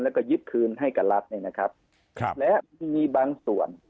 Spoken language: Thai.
แล้วก็ยึดคืนให้กับรัฐนะครับแล้วมีบางส่วน